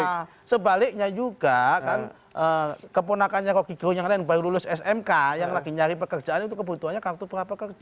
dan sebaliknya juga kan keponakannya rocky girung yang lain baru lulus smk yang lagi nyari pekerjaan itu kebutuhannya kartu perapa kerja